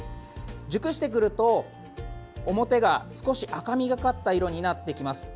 熟してくると、表が少し赤みがかった色になってきます。